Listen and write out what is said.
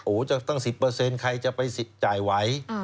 โอ้โหจะตั้ง๑๐ใครจะไปจ่ายไหว